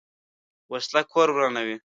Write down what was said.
وسله کور ورانوي